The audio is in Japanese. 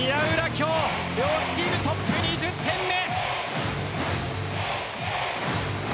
今日両チームトップ２０点目。